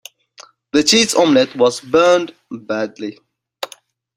The cheese omelette was burned badly.